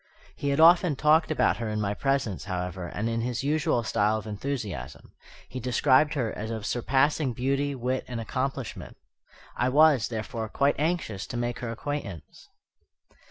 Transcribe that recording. He had often talked about her in my presence, however, and in his usual style of enthusiasm. He described her as of surpassing beauty, wit, and accomplishment. I was, therefore, quite anxious to make her acquaintance.